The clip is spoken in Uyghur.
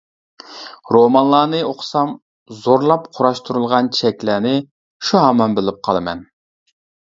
رومانلارنى ئوقۇسام زورلاپ قۇراشتۇرۇلغان چەكلەرنى شۇ ھامان بىلىپ قالىمەن.